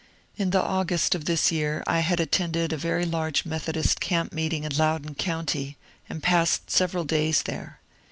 In the Au gust of this year I had attended a very large Methodist caipp meeting in Loudoun County, and passed several days there.